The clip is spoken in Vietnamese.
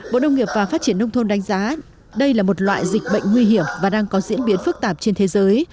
bộ đông nghiệp và phát triển nông thôn đánh giá đây là một loại dịch bệnh nguy hiểm và đang có diễn biến phức tạp trên thế giới